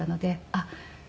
あっ。